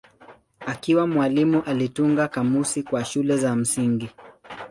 Akiwa mwalimu alitunga kamusi kwa shule za msingi.